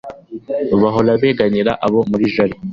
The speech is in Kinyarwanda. Bahora biganyira abo muri jari